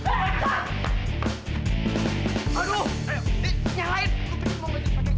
udah keten lu pampelan dong